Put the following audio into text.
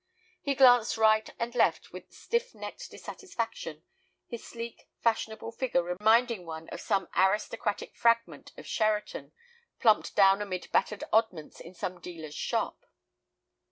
He glanced right and left with stiff necked dissatisfaction, his sleek, fashionable figure reminding one of some aristocratic fragment of Sheraton plumped down amid battered oddments in some dealer's shop.